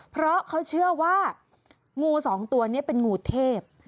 เพราะเขาเชื่อว่างูสองตัวนี้เป็นงูเทพ